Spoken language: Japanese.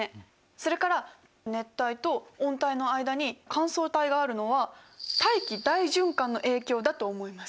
それから熱帯と温帯の間に乾燥帯があるのは大気大循環の影響だと思います。